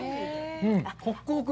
ホックホク。